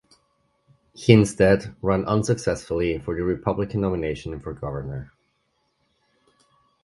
He instead ran unsuccessfully for the Republican nomination for governor.